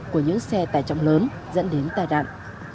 của những xe tải trọng lớn dẫn đến tai nạn